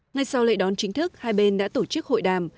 ngay sau lễ đón chính thức hai bên đã tổ chức hội đàm